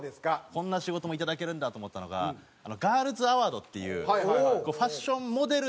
こんな仕事もいただけるんだと思ったのがガールズアワードっていうファッションモデルとかが歩く